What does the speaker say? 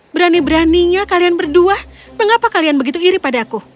berani beraninya kalian berdua mengapa kalian begitu iri pada aku